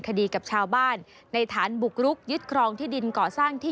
คดีกับชาวบ้านในฐานบุกรุกยึดครองที่ดินก่อสร้างที่